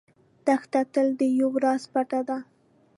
دښته تل د یو راز پټه ده.